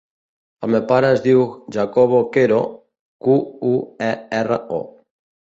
El meu pare es diu Jacobo Quero: cu, u, e, erra, o.